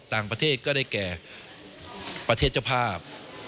ต่างประเทศก็ได้แก่ประเทศเจ้าภาพ